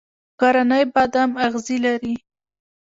غرنی بادام اغزي لري؟